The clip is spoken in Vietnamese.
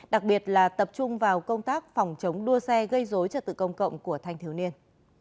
đặc biệt là tập trung vào công tác phòng chống đua xe gây dối trật tự công cộng của thanh thiếu niên